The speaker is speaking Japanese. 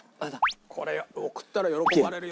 これ送ったら喜ばれるよ。